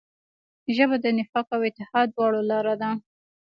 ژبه د نفاق او اتحاد دواړو لاره ده